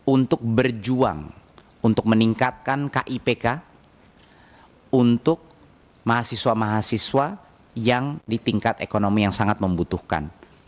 untuk berjuang untuk meningkatkan kipk untuk mahasiswa mahasiswa yang di tingkat ekonomi yang sangat membutuhkan